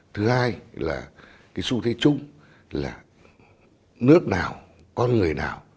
thứ hai là cái xu thế chung là nước nào con người nào